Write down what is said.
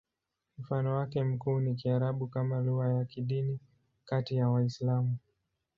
Mfano wake mkuu ni Kiarabu kama lugha ya kidini kati ya Waislamu.